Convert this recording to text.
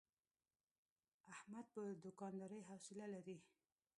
احمد په دوکاندارۍ حوصله لري.